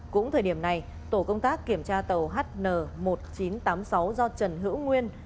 cũng thời điểm này tổ công tác kiểm tra tàu hn một nghìn chín trăm tám mươi sáu do trần hữu nguyên